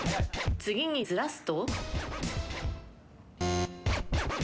次にずらすと？